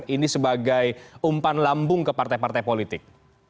ini sebagai umpan lambung ke partai partai politik